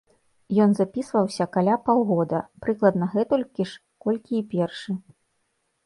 Ён запісваўся каля паўгода, прыкладна гэтулькі ж, колькі і першы.